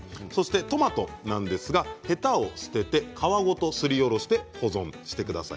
トマトはヘタを捨てて皮ごとすりおろして保存してください。